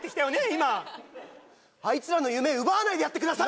今あいつらの夢奪わないでやってください